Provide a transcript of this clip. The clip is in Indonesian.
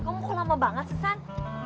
kamu kok lama banget kan